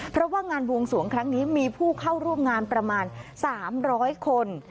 เพราะว่างานบวงสวงครั้งนี้มีผู้เข้าร่วมงานประมาณ๓๐๐คน